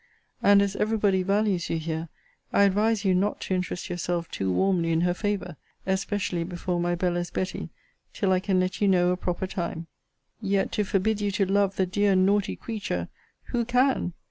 And as every body values you here, I advise you not to interest yourself too warmly in her favour, especially before my Bella's Betty, till I can let you know a proper time. Yet to forbid you to love the dear naughty creature, who can?